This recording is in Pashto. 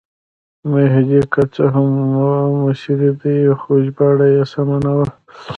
مهدي که څه هم مصری دی خو ژباړه یې سمه نه وه.